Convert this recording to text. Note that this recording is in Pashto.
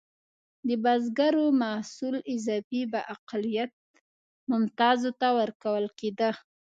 د بزګرو محصول اضافي به اقلیت ممتازو ته ورکول کېده.